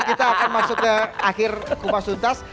kita akan masuk ke akhir kupasuntas